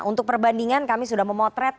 untuk perbandingan kami sudah memotret